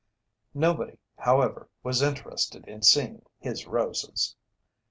Nobody, however, was interested in seeing his roses.